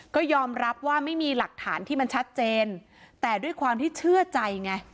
ก็ยอมรับว่าไม่มีหลักฐานที่มันชัดเจนแต่ด้วยความที่เชื่อใจไง